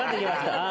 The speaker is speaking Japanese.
ああ